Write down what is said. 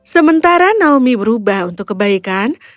sementara naomi berubah untuk kebaikan